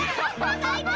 最高！